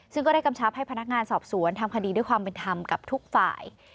ซึ่งก็ได้กำชับให้พนักงานสอบสวนทำคดีด้วยความเป็นธรรมกับทุกฝ่าย